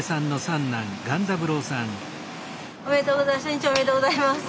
おめでとうございます。